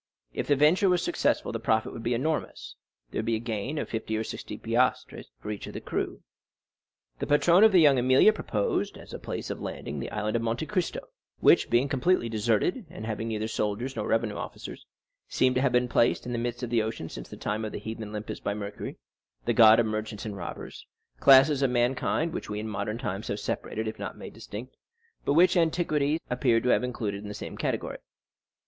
If the venture was successful the profit would be enormous, there would be a gain of fifty or sixty piastres each for the crew. The patron of La Jeune Amélie proposed as a place of landing the Island of Monte Cristo, which being completely deserted, and having neither soldiers nor revenue officers, seemed to have been placed in the midst of the ocean since the time of the heathen Olympus by Mercury, the god of merchants and robbers, classes of mankind which we in modern times have separated if not made distinct, but which antiquity appears to have included in the same category.